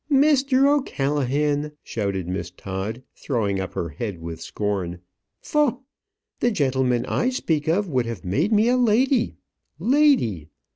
"Mr. O'Callaghan!" shouted Miss Todd, throwing up her head with scorn. "Pho! The gentleman I speak of would have made me a lady. Lady